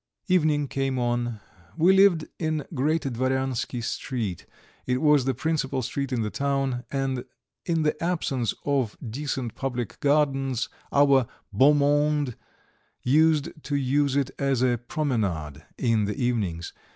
Evening came on. We lived in Great Dvoryansky Street; it was the principal street in the town, and in the absence of decent public gardens our beau monde used to use it as a promenade in the evenings.